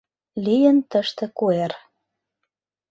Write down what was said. Лийын тыште куэр.